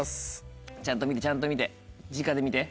ちゃんと見てちゃんと見てじかで見て。